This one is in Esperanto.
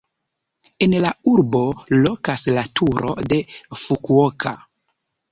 En la urbo lokas la Turo de Fukuoka.